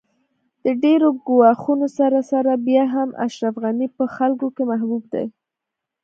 د ډېرو ګواښونو سره سره بیا هم اشرف غني په خلکو کې محبوب دی